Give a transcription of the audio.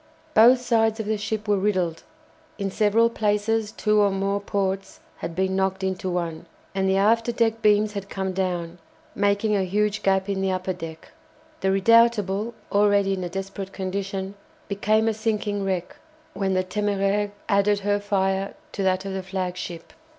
Both sides of the ship were riddled, in several places two or more ports had been knocked into one, and the after deck beams had come down, making a huge gap in the upper deck. The "Redoutable," already in a desperate condition, became a sinking wreck when the "Téméraire" added her fire to that of the flagship.